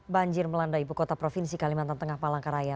banjir melanda ibu kota provinsi kalimantan tengah palangkaraya